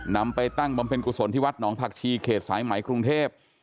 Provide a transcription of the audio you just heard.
นำไปตั้งบำเพ็ญกุศลที่วัดหนองผักชีเขตสายไหมกรุงเทพ